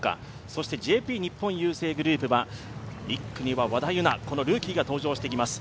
そしてＪＰ日本郵政グループは、１区には和田有菜、このルーキーが登場してきます。